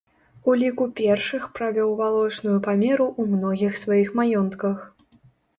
У ліку першых правёў валочную памеру ў многіх сваіх маёнтках.